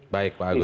baik pak agus